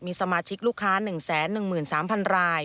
มีสมาชิกลูกค้า๑๑๓๐๐๐ราย